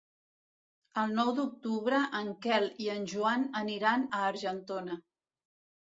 El nou d'octubre en Quel i en Joan aniran a Argentona.